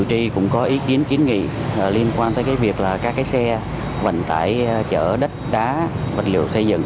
tri cũng có ý kiến kiến nghị liên quan tới việc các xe vận tải chở đất đá vật liệu xây dựng